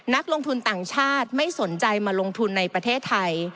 นักลงทุนต่างชาติไม่สนใจมาลงทุนในประเทศไทย